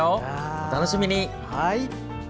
お楽しみに。